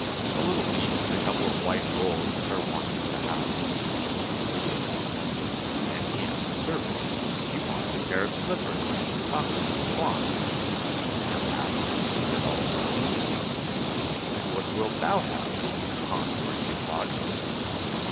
"A little meat and a couple of white rolls which are wanted for the house," said she. Then he asked the servant, and she wanted a pair of slippers and some stockings with clocks. At last he said also, "And what wilt thou have, Hans my Hedgehog?"